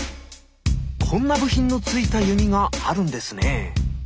こんな部品のついた弓があるんですねえ